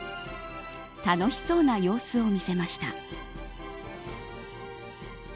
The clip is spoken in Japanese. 楽しそうな様子を見せました。